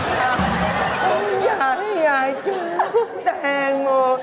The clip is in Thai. พี่ยายพี่ยายจงแต่งโม